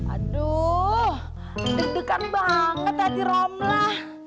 aduh deg degan banget tadi ramlah